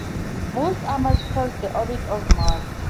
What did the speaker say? Most Amors cross the orbit of Mars.